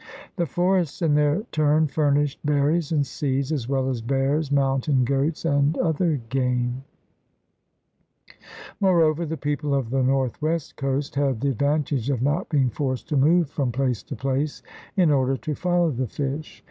The forests in their turn furnished ber ries and seeds, as well as bears, mountain goats., and other game. THE RED MAN IN AMERICA 135 Moreover the people of the northwest coast had the advantage of not being forced to move from place to place in order to follow the fish.